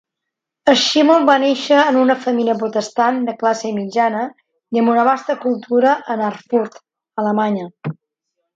Schimmel va néixer en una família protestant de classe mitjana i amb una vasta cultura en Erfurt, Alemanya.